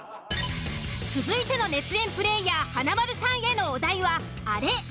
続いての熱演プレイヤー華丸さんへのお題は「あれ？」。